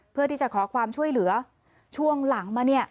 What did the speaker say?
เพื่อที่จะขอความช่วยเหลือช่วงหลังมาเนี่ย